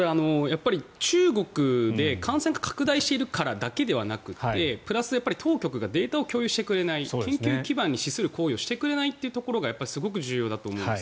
中国で感染が拡大しているからだけではなくてプラス、当局がデータを共有してくれない研究基盤に資する行為をしてくれないというところがすごく重要だと思うんです。